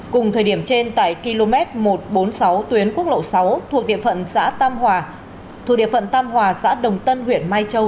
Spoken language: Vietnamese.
cùng thời điểm trên tại km một trăm bốn mươi sáu tuyến quốc lộ sáu thuộc địa phận xã tam hòa xã đồng tân huyện mai châu